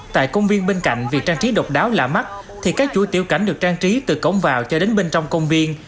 tại công viên bên cạnh việc trang trí độc đáo lạ mắt thì các chuỗi tiểu cảnh được trang trí từ cổng vào cho đến bên trong công viên